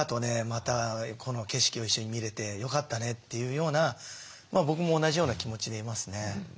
またこの景色を一緒に見れてよかったね」というような僕も同じような気持ちでいますね。